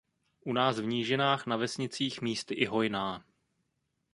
U nás v nížinách na vesnicích místy i hojná.